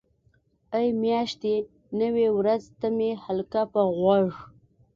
ای میاشتې نوې وریځ ته مې حلقه په غوږ.